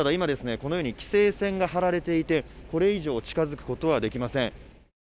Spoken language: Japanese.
このように規制線が張られていて、これ以上近づくことはできません。